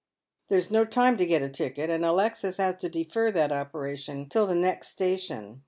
There is no time to get a ticket, and Alexis has to defer that operation till the next station.